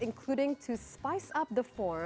tentang masalah lain termasuk